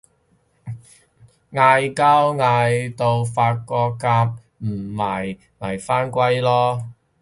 嗌交嗌到發覺夾唔埋咪返歸瞓